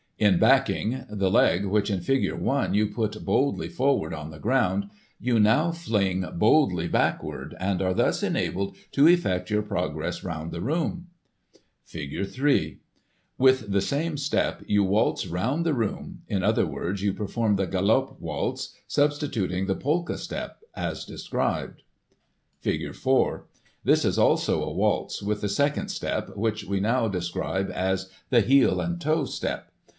In backing, the leg which in figure one, you put boldly forward on the ground, you now fling boldly backward, and are thus enabled to effect your progress round the room. Figure 3. — ^With the same step you waltz round the room — in other words, you perform the Galop waltz, substituting the Polka step as described. Digitized by Google 1844] THE POLKA. 241 Figure 4. — This is also a waltz with the second step, which we will now describe as "the Heel and Toe step."